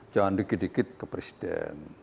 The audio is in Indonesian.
jangan dikit dikit ke presiden